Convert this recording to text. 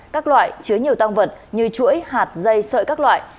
các loại chứa nhiều tăng vật như chuỗi hạt dây sợi các loại